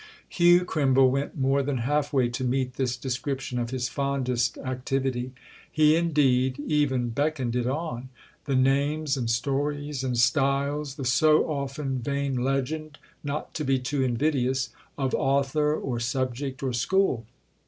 Hugh Crimble went more than half way to meet this description of his fondest activity; he indeed even beckoned it on. "The names and stories and styles—the so often vain legend, not to be too invidious—of author or subject or school?"